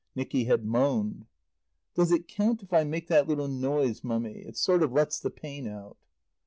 Nicky had moaned. "Does it count if I make that little noise, Mummy? It sort of lets the pain out."